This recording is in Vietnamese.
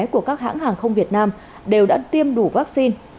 của các hãng hàng không việt nam đều đã tiêm đủ vaccine